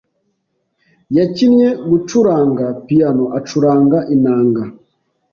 Yakinnye gucuranga piyano acuranga inanga.